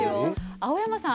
青山さん